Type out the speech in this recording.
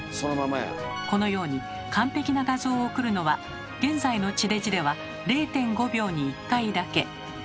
このように完璧な画像を送るのは現在の地デジでは０．５秒に１回だけ。